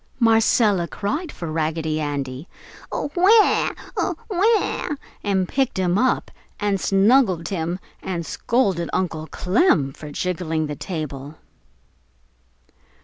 Marcella cried for Raggedy Andy, "AWAA! AWAA!" and picked him up and snuggled him and scolded Uncle Clem for jiggling the table.